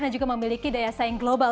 dan juga memiliki daya saing global